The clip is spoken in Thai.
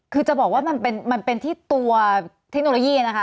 คือจะบอกว่ามันเป็นที่ตัวเทคโนโลยีนะคะ